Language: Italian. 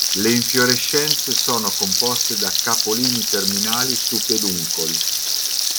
Le infiorescenze sono composte da capolini terminali su peduncoli.